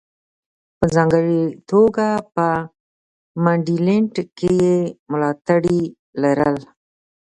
په ځانګړې توګه په منډلینډ کې یې ملاتړي لرل.